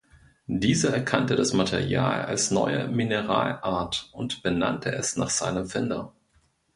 Dieser erkannte das Material als neue Mineralart und benannte es nach seinem Finder.